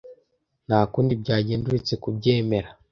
Nta kundi byagenda uretse kubyemera.